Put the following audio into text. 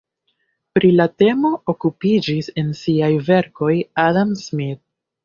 Pri la temo okupiĝis en siaj verkoj Adam Smith.